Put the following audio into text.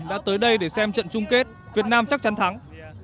đã tới đây để xem trận chung kết việt nam chắc chắn thắng